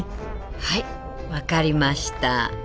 はい分かりました。